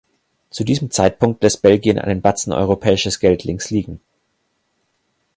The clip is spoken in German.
Zu diesem Zeitpunkt lässt Belgien einen Batzen europäisches Geld links liegen.